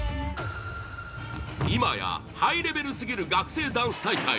今やハイレベルすぎる学生ダンス大会